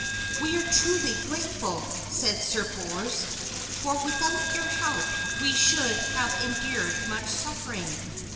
"We are truly grateful," said Sir Bors, "for without your help, we should have endured much suffering."